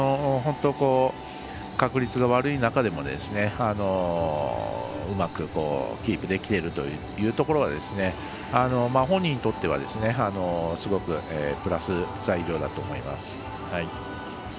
確率が悪い中でもうまくキープできているというところは本人にとってはすごくプラス材料だと思います。